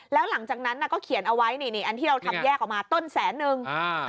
แล้วหลังจากนั้นก็เขียนเอาไว้นี่นี่อันที่เราทำแยกออกมาต้นแสนนึง